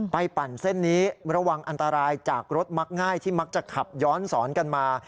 ปั่นเส้นนี้ระวังอันตรายจากรถมักง่ายที่มักจะขับย้อนสอนกันมา